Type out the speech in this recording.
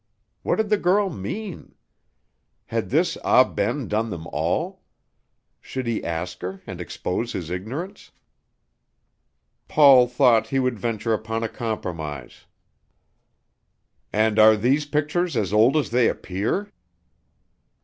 What did the girl mean? Had this Ah Ben done them all? Should he ask her and expose his ignorance? Paul thought he would venture upon a compromise. "And are these pictures as old as they appear?"